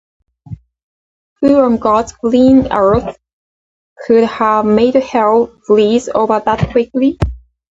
Who on god’s green earth could have made hell freeze over that quickly?